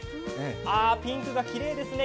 あ、ピンクがきれいですね。